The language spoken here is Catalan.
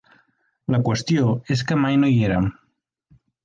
La qüestió és que mai no hi érem.